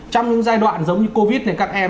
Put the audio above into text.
trong những giai đoạn giống như covid thì các em